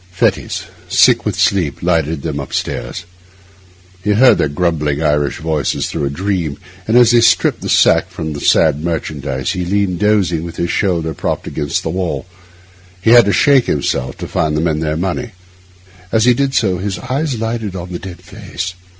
Fettes, sick with sleep, lighted them upstairs. He heard their grumbling Irish voices through a dream; and as they stripped the sack from their sad merchandise he leaned dozing, with his shoulder propped against the wall; he had to shake himself to find the men their money. As he did so his eyes lighted on the dead face.